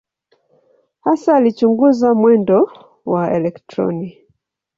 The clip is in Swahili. Hasa alichunguza mwendo wa elektroni.